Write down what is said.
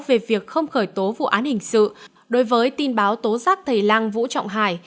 về việc không khởi tố vụ án hình sự đối với tin báo tố giác thầy lang vũ trọng hải